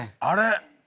あれ？